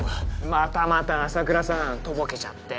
またまた麻倉さんとぼけちゃって。